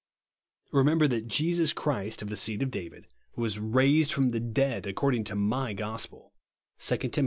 Remember that Jesus Christ, of the seed of Dsivid, was raised fro')n the dead, accord ing to my gospel," (2 Tim.